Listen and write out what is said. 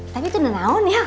tapi itu nahun ya